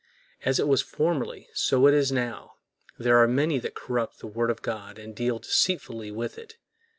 As it was formerly, so it is now; there are many that corrupt the Word of God and deal deceitfully with it.